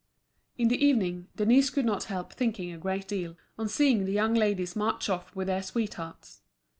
In the evening, Denise could not help thinking a great deal, on seeing the young ladies march off with their sweethearts.